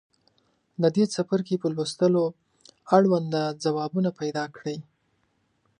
د دې څپرکي په لوستلو اړونده ځوابونه پیداکړئ.